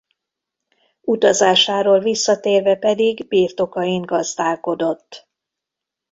Utazásáról visszatérve pedig birtokain gazdálkodott.